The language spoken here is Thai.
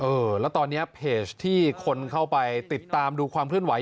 เออแล้วตอนนี้เพจที่คนเข้าไปติดตามดูความเคลื่อนไหว